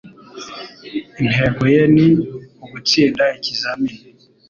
Intego ye ni ugutsinda ikizamini.